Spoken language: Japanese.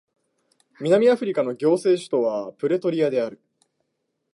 南アフリカの行政首都はプレトリアである